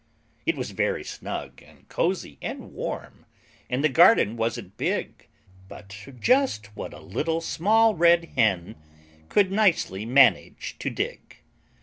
It was very snug and cosy and warm, And the garden wasn't big, But just what a Little Small Red Hen Could nicely manage to dig.